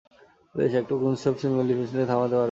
বেশ, একটা অগ্নুত্সব মেলাফিসেন্টকে থামাতে পারবেনা।